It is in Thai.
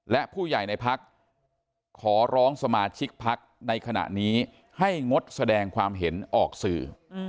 และผู้ใหญ่ในพักขอร้องสมาชิกพักในขณะนี้ให้งดแสดงความเห็นออกสื่อ